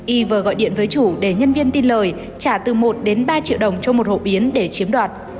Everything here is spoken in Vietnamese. y vừa gọi điện với chủ để nhân viên tin lời trả từ một đến ba triệu đồng cho một hộp yến để chiếm đoạt